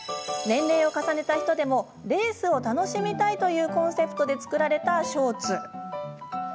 年齢を重ねた人でもレースを楽しみたいというコンセプトで作られたショーツ。